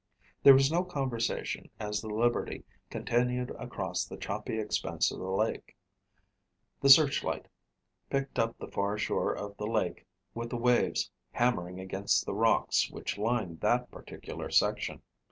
There was no conversation as the Liberty continued across the choppy expanse of the lake. The searchlight picked up the far shore of the lake with the waves hammering against the rocks which lined that particular section.